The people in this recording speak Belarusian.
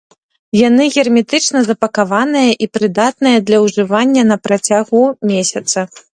Яны герметычна запакаваныя і прыдатныя для ўжывання на працягу месяца.